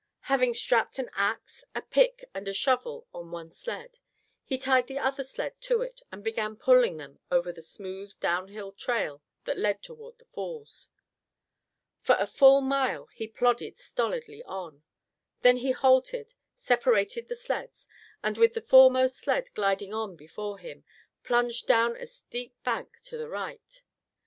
Having strapped an axe, a pick and a shovel on one sled, he tied the other sled to it and began pulling them over the smooth downhill trail that led toward the falls. For a full mile he plodded stolidly on. Then he halted, separated the sleds, and with the foremost sled gliding on before him, plunged down a steep bank to the right.